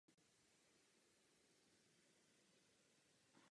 Předtím se už stala také první ženou české armádě v hodnosti plukovník.